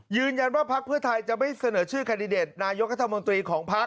ยืนยันว่าภาคเพื่อไทยจะไม่เสนอชื่อคันดิเดตนายกลมตีของภาค